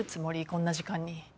こんな時間に。